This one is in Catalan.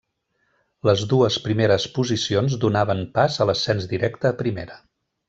Les dues primeres posicions donaven pas a l'ascens directe a Primera.